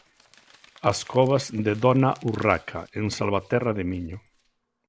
As Covas de Dona Urraca, en Salvaterra de Miño.